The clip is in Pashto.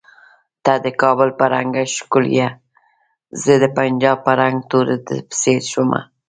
ته د کابل په رنګه ښکولیه زه د پنجاب په رنګ تور درپسې شومه